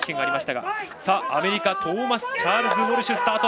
アメリカトーマスチャールズ・ウォルシュ。